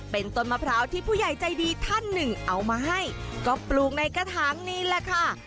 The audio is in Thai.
เป็นต้นมะพร้าวที่ผู้ใหญ่ใจดีท่านหนึ่งเอามาให้ก็ปลูกในกระถางนี่แหละค่ะ